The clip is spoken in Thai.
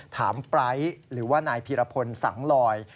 ถามไปรัฐหรือว่านายเพียรพลสังลอย